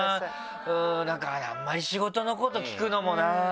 なんかあんまり仕事のこと聞くのもな。